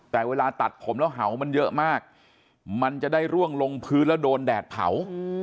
แต่เวลาตัดผมแล้วเห่ามันเยอะมากมันจะได้ร่วงลงพื้นแล้วโดนแดดเผา